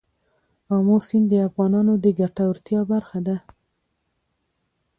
آمو سیند د افغانانو د ګټورتیا برخه ده.